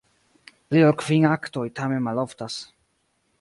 Pli ol kvin aktoj tamen maloftas.